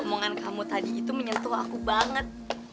omongan kamu tadi itu menyentuh aku banget